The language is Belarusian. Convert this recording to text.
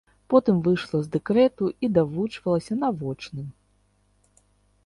Потым выйшла з дэкрэту і давучвалася на вочным.